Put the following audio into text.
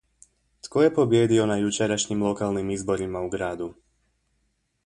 Tko je pobijedio na jučerašnjim lokalnim izborima u gradu?